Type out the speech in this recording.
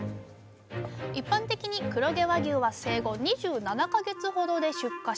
一般的に黒毛和牛は生後２７か月ほどで出荷します。